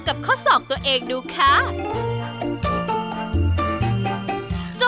โอ้โหโอ้โหโอ้โห